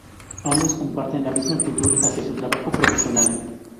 Ambos comparten la misma actitud hacia su trabajo profesional.